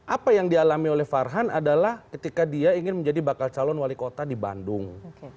apa yang dialami oleh farhan adalah ketika dia ingin menjadi bakal calon wali kota di bandung